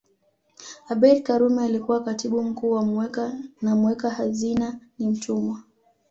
Abeid Karume alikuwa Katibu mkuu na muweka hazina ni Mtumwa